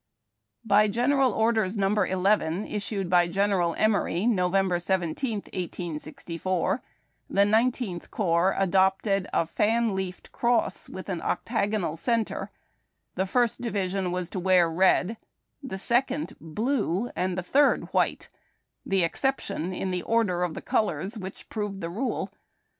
By General Orders No. 11 issued by General Emory Nov. 17, 1864, the Nineteenth Corps adopted "a fan leaved cross, with an octagonal centre." The First Division was to wear red, the Second blue, and the Third white — the excep tion in the order of the colors which proved the rule.